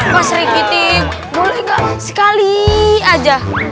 pasri kita boleh nggak sekali aja